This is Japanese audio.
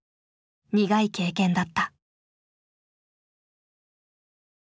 苦い経験だった。